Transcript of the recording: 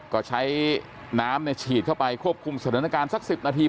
ก็ใช้น้ำฉีดเข้าไปควบคุมสถานการณ์สัก๑๐นาที